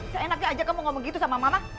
seenaknya aja gitu sama mama